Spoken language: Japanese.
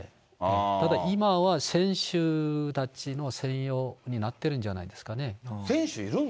ただ、今は、選手たちの専用になってるんじゃないですかね。